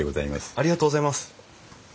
ありがとうございます。